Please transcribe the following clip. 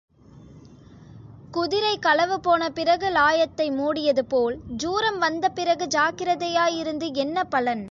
குதிரை களவுபோன பிறகு லாயத்தை மூடியது போல், ஜுரம் வந்த பிறகு ஜாக்கிரதையாயிருந்து என்ன பலன்?